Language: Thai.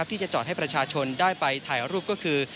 ที่จะจอดให้ประชาชนได้ไปถ่ายรูปก็คือ